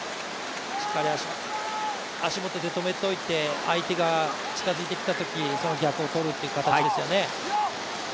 足元で止めておいて、相手が近づいてきたとき、その逆をとるという形ですよね。